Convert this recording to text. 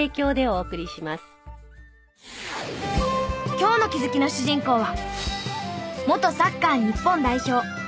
今日の気づきの主人公は。